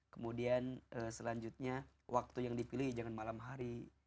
kemudian selanjutnya waktu yang dipilih jangan malam hari